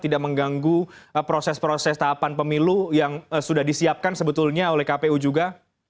tidak mengganggu proses proses tahapan pemilu yang sudah disiapkan sebetulnya oleh kpu juga